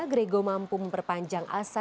gregor mampu memperpanjang asa